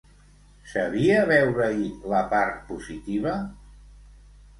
Sabia veure-hi la part positiva?